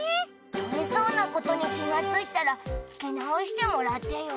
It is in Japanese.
取れそうなことに気がついたら付け直してもらってよ。